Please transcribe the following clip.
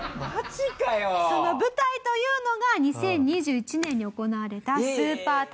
その舞台というのが２０２１年に行われたスーパー耐久戦でございます。